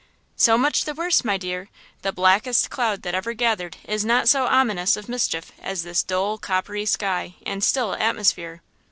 "So much the worse, my dear! The blackest cloud that ever gathered is not so ominous of mischief as this dull, coppery sky and still atmosphere!